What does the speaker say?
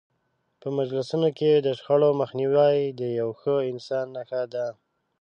په مجلسونو کې د شخړو مخنیوی د یو ښه انسان نښه ده.